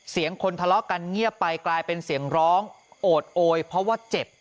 คนทะเลาะกันเงียบไปกลายเป็นเสียงร้องโอดโอยเพราะว่าเจ็บ